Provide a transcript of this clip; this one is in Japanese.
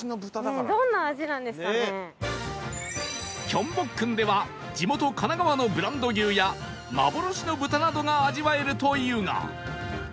キョンボックンでは地元神奈川のブランド牛や幻の豚などが味わえるというが